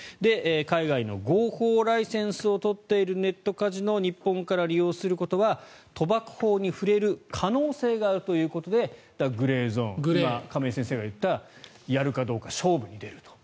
海外の合法ライセンスを取っているネットカジノを日本から利用することは賭博法に触れる可能性があるということでグレーゾーン今、亀井先生が言ったやるかどうか勝負に出ると。